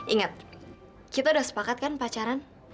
ingat kita udah sepakat kan pacaran